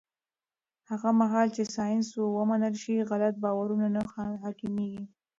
هغه مهال چې ساینس ومنل شي، غلط باورونه نه حاکمېږي.